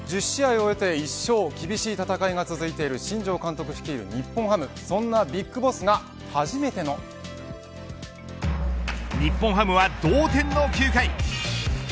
１０試合を終えて１勝厳しい戦いが続いている新庄監督率いる日本ハムそんなＢＩＧＢＯＳＳが日本ハムは同点の９回。